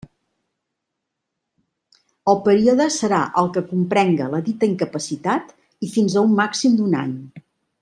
El període serà el que comprenga la dita incapacitat i fins a un màxim d'un any.